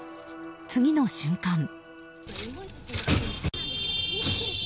次の瞬間。